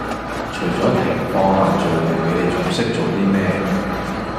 除左停課限聚令你地仲識做 D 咩